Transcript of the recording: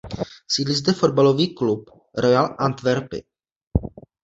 Sídlí zde fotbalový klub Royal Antverpy.